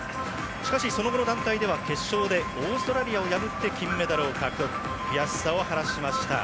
しかし、その後の団体では決勝でオーストラリアを破って金メダルを獲得悔しさを晴らしました。